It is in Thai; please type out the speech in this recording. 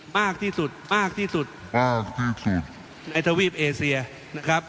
มากที่สุดมากที่สุดอ่าโอเคไอ้ทวีปเอเซียนะครับ